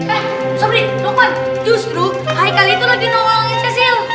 eh sabri lo kan justru heike itu lagi nolongin cecil